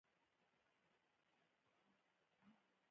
مغولان، تیموریان او د کرت کورنۍ دریم لوست دی.